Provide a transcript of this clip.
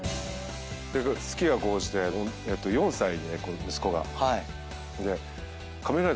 好きが高じて４歳で息子が。